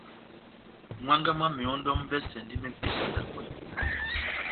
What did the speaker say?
Mwángá mwá mehɔndɔ m'vɛsɛndi mepenga na ekwèmi.